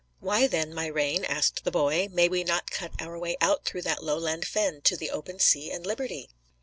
"Why, then, my Rane," asked the boy, "may we not cut our way out through that lowland fen, to the open sea and liberty?"